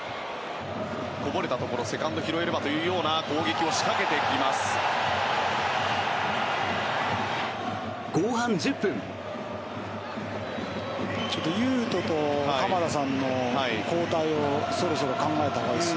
こぼれたところセカンド拾えればというような攻撃を仕掛けてきます。